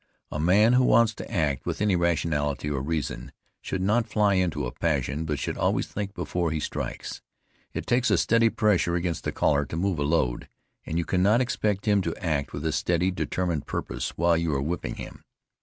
A man that wants to act with any rationality or reason should not fly into a passion, but should always think before he strikes. It takes a steady pressure against the collar to move a load, and you cannot expect him to act with a steady, determined purpose while you are whipping him.